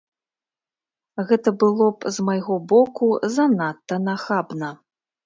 Гэта было б з майго боку занадта нахабна.